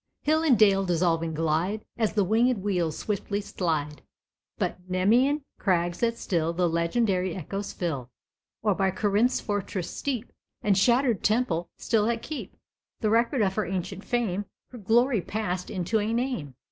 Hill and dale dissolving glide, As the winged wheels swiftly slide, By Nemæan crags that still The legendary echoes fill. Or by Corinth's fortressed steep, And shattered temple, still that keep The record of her ancient fame, Her glory past into a name.